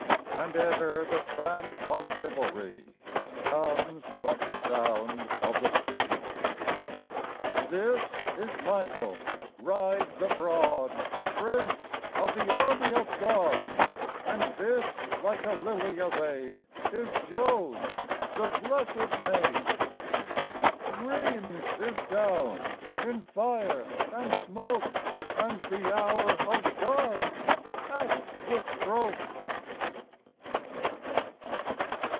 And ever the tramp of chivalry Comes like the sound of the sea. This is Michael rides abroad, Prince of the army of God, And this like a lily arrayed, Is Joan, the blessed Maid. Rheims is down in fire and smoke And the hour of God's at the stroke.